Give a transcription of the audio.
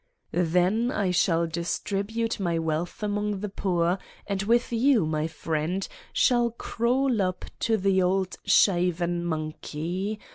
Then I shall distribute my wealth among the poor and with you, my friend, shall crawl up to the old shaven monkey.